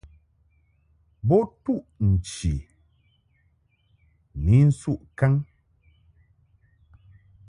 Bo ntuʼ nchi ni nsuʼ kaŋ.